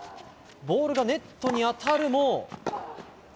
ボールがネットに当たるも。